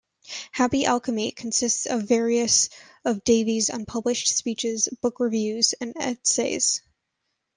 "Happy Alchemy" consists of various of Davies' unpublished speeches, book reviews and essays.